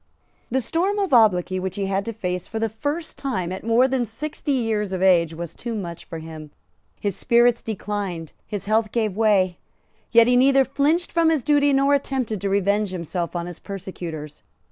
The storm of obloquy which he had to face for the first time at more than sixty years of age was too much for him. His spirits declined; his health gave way; yet he neither flinched from his duty nor attempted to revenge himself on his persecutors.